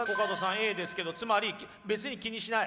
Ａですけどつまり別に気にしない？